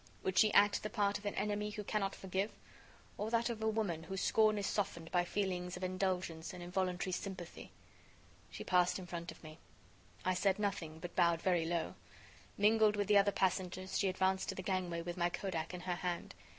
Would she act the part of an enemy who cannot forgive, or that of a woman whose scorn is softened by feelings of indulgence and involuntary sympathy? She passed in front of me. I said nothing, but bowed very low. Mingled with the other passengers, she advanced to the gangway with my Kodak in her hand.